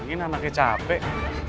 ini anaknya capek